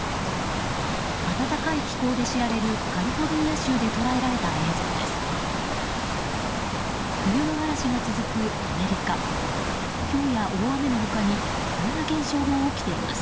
暖かい気候で知られるカリフォルニア州で捉えられた映像です。